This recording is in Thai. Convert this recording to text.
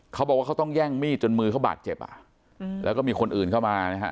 เขาบอกว่าเขาต้องแย่งมีดจนมือเขาบาดเจ็บอ่ะอืมแล้วก็มีคนอื่นเข้ามานะฮะ